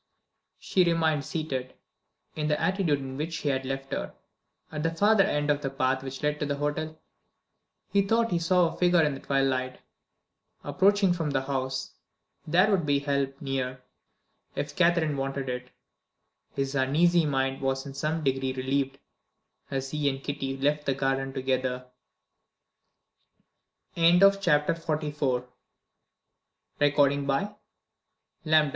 She remained seated, in the attitude in which he had left her. At the further end of the path which led to the hotel, he thought he saw a figure in the twilight, approaching from the house. There would be help near, if Catherine wanted it. His uneasy mind was in some degree relieved, as he and Kitty left the garden together. Chapter XLV. Love Your Enemies. She tried t